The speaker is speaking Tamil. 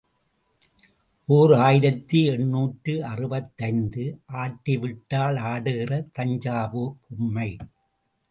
ஓர் ஆயிரத்து எண்ணூற்று அறுபத்தைந்து ஆட்டி விட்டால் ஆடுகிற தஞ்சாவூர்ப் பொம்மை.